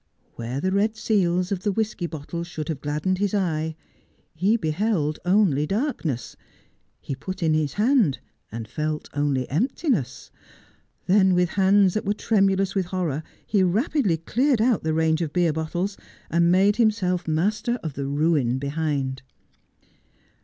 Where the red seals of the whisky bottles should have gladdened his eye, he beheld only darkness. He put in his hand, and felt only emptiness. Then, with hands that were tremulous with horror, he rapidly cleared out the range of beer bottles, and made himself master of the ruin behind.